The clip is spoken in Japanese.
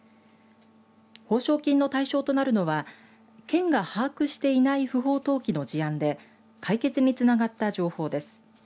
報奨金の対象となるのは県が把握していない不法投棄の事案で解決につながった情報です。